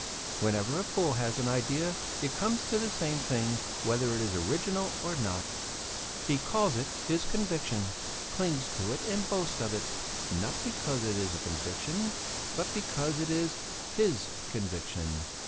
Whenever a fool has an idea it comes to the same thing whether it is original or not he calls it his conviction, clings to it and boasts of it, not because it is a conviction, but because it is his conviction.